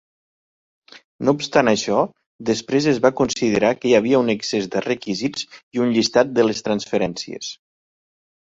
No obstant això, després es va considerar que hi havia un excés de requisits i un llistat de les transferències.